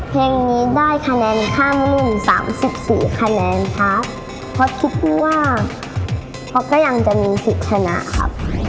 เพลงนี้ได้คะแนนข้ามรุ่นสามสิบสี่คะแนนครับเพราะคิดว่าท็อปก็ยังจะมีสิทธิ์ชนะครับ